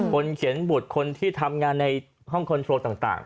คนเขียนบุตรคนที่ทำงานในห้องคอนโทรลต่าง